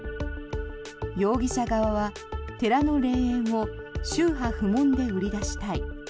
容疑者側は寺の霊園を宗派不問で売り出したい。